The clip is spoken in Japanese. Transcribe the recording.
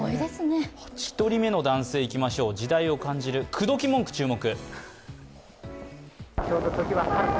１人目の男性いきましょう、時代を感じる口説き文句、注目。